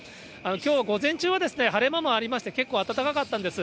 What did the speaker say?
きょう午前中は、晴れ間もありまして、結構暖かかったんです。